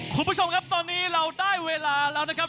คุณผู้ชมครับตอนนี้เราได้เวลาแล้วนะครับ